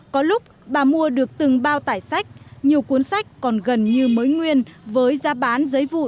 có lúc bà mua được từng bao tải sách nhiều cuốn sách còn gần như mới nguyên với giá bán giấy vụ